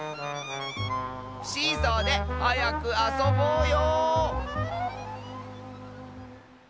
シーソーではやくあそぼうよ！